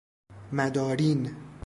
مدارین